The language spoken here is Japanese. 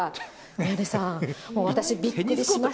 宮根さん、もう私びっくりしました。